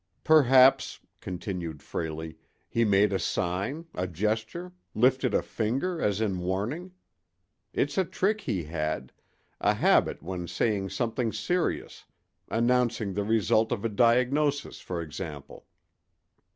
"Perhaps," continued Frayley, "he made a sign, a gesture—lifted a finger, as in warning. It's a trick he had—a habit when saying something serious—announcing the result of a diagnosis, for example."